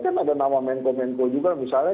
kan ada nama menko menko juga misalnya